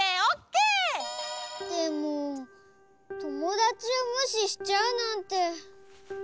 でもともだちをむししちゃうなんて。